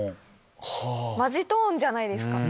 まじトーンじゃないですか。